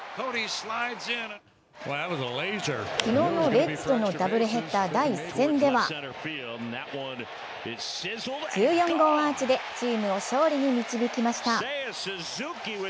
昨日のレッズとのダブルヘッダー第１戦では１４号アーチでチームを勝利に導きました。